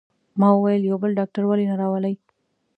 ما وویل: یو بل ډاکټر ولې نه راولئ؟